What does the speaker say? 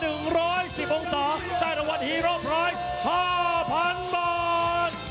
ตัดต่อวันฮีโร่ไพรส์ห้าพันบาท